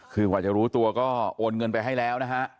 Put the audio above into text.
คือกว่าจะรู้ตัวก็โอนเงินไปให้แล้วนะฮะ